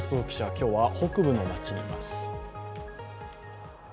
今日は北部の街にいます。